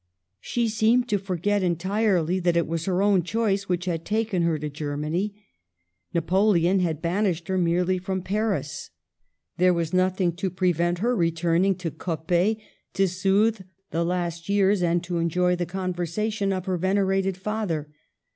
She seemed to forget entirely that it was her own choice which' had taken her to Germany; Napoleon had banished her merely from Paris ; and there was nothing to prevent her returning to Coppet to soothe the last years and enjoy the conversation of her venerated father.